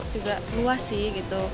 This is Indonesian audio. juga luas sih gitu